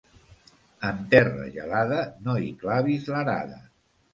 En terra gelada no hi clavis l'arada.